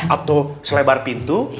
atau selebar pintu